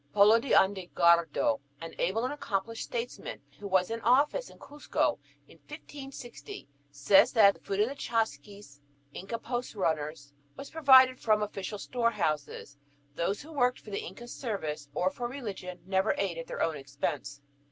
Polo de Ondegardo, an able and accomplished statesman, who was in office in Cuzco in 1560, says that the food of the chasquis, Inca post runners, was provided from official storehouses; "those who worked for the Inca's service, or for religion, never ate at their own expense."